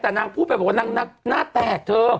แต่นางพูดไปบอกว่านางหน้าแตกเธอ